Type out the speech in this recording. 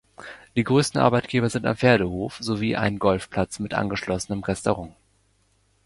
Die größten Arbeitgeber sind ein Pferdehof sowie ein Golfplatz mit angeschlossenem Restaurant.